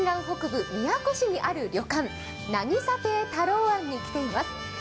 北部宮古市にある旅館渚亭たろう庵に来ています。